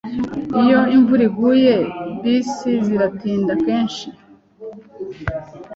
Iyo imvura iguye, bisi ziratinda kenshi. (NekoKanjya)